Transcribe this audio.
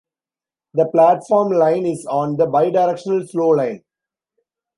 The platform line is on the bidirectional slow line.